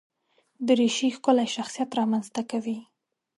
دریشي ښکلی شخصیت رامنځته کوي.